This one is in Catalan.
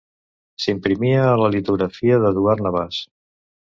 S'imprimia a la Litografia d'Eduard Navàs.